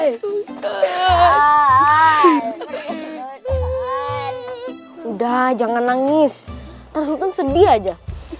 udah jangan nangis terus sedih aja